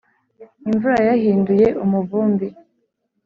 imvura yayihinduye umuvumbi